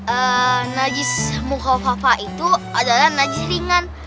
eee najis mukhofafah itu adalah najis ringan